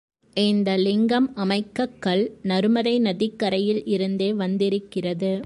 இந்த லிங்கம் அமைக்கக் கல், நருமதை நதிக்கரையில் இருந்தே வந்திருக்கிறது.